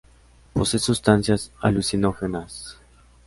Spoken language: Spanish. Posee sustancias alucinógenas.